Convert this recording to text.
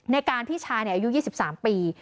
ในการพี่ชายอายุ๒๓ปี